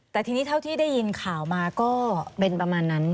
แต่ทีนี้เท่าที่ได้ยินข่าวมาก็เป็นประมาณนั้น